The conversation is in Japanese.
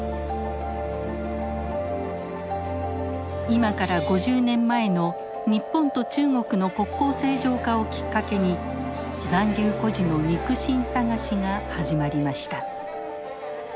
今から５０年前の日本と中国の国交正常化をきっかけに残留孤児の肉親探しが始まりました。